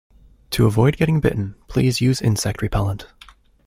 To avoid getting bitten, please use insect repellent